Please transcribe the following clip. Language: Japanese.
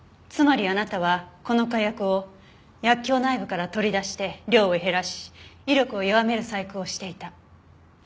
つまりあなたはこの火薬を薬莢内部から取り出して量を減らし威力を弱める細工をしていた。